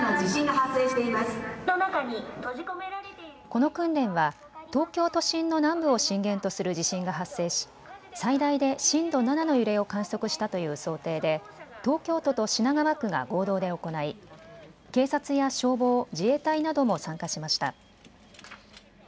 この訓練は東京都心の南部を震源とする地震が発生し最大で震度７の揺れを観測したという想定で東京都と品川区が合同で行い、警察や消防、自衛隊なども参加しました。